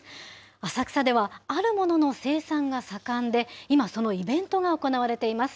浅草ではあるものの生産が盛んで、今、そのイベントが行われています。